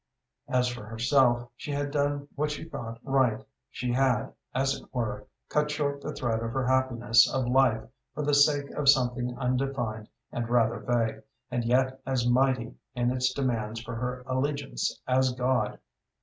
As for herself, she had done what she thought right; she had, as it were, cut short the thread of her happiness of life for the sake of something undefined and rather vague, and yet as mighty in its demands for her allegiance as God.